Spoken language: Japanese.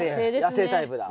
野生タイプだ。